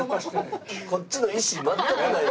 こっちの意思全くないのよ。